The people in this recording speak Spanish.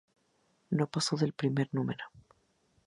No pasó del primer número.